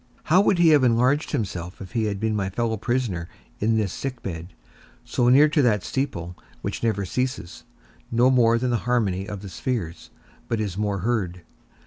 How would he have enlarged himself if he had been my fellow prisoner in this sick bed, so near to that steeple which never ceases, no more than the harmony of the spheres, but is more heard.